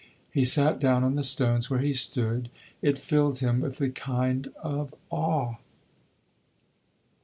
He sat down on the stones where he stood it filled him with a kind of awe.